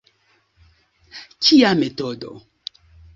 Kia metodo!